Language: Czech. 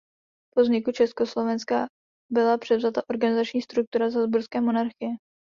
Po vzniku Československa byla převzata organizační struktura z Habsburské monarchie.